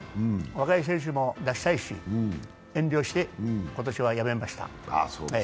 若い選手も出したいし、遠慮して今年はやめました。